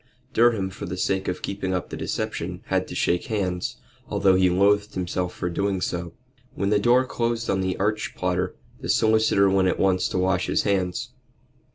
Durham, for the sake of keeping up the deception, had to shake hands, although he loathed himself for doing so. When the door closed on the arch plotter the solicitor went at once to wash his hands.